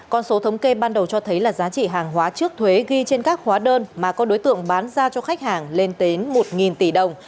con số thống kê ban đầu cho thấy là giá trị hàng hóa trước thuế ghi trên các hóa đơn mà các đối tượng bán ra cho khách hàng lên đến một tỷ đồng